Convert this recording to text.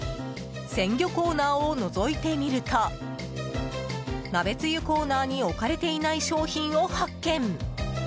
鮮魚コーナーをのぞいてみると鍋つゆコーナーに置かれていない商品を発見。